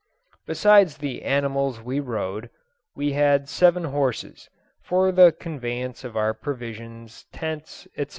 Besides the animals we rode, we had seven horses, for the conveyance of our provisions, tents, etc.